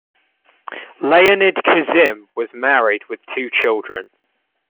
Leonid Kizim was married with two children.